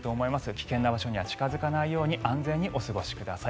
危険な場所には近付かないように安全にお過ごしください。